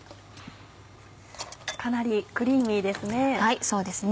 かなりクリーミーですね。